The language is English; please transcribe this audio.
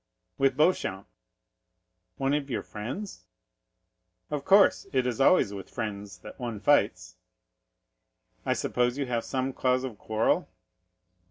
"With Beauchamp." "One of your friends!" "Of course; it is always with friends that one fights." "I suppose you have some cause of quarrel?"